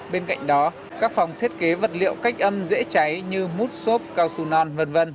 bên cạnh đó các phòng thiết kế vật liệu cách âm dễ cháy như mút xốp cao su non v v